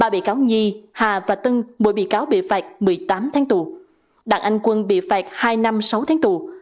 ba bị cáo nhi hà và tân mỗi bị cáo bị phạt một mươi tám tháng tù đặng anh quân bị phạt hai năm sáu tháng tù